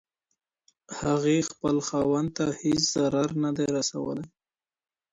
هغې خپل خاوند ته هيڅ ضرر نه دی رسولی.